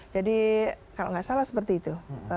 jadi kalau nggak salah seperti itu